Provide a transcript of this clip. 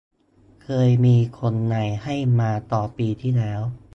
เคยมีคนใน ให้มาตอน ปีที่แล้ว